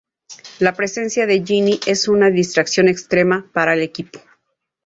La presencia de Ginny es una distracción extrema para el equipo.